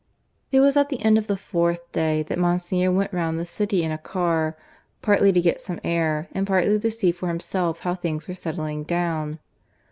It was at the end of the fourth day that Monsignor went round the city in a car, partly to get some air, and partly to see for himself how things were settling down.